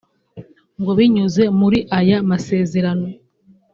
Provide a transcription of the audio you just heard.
ngo binyuze muri aya masezerano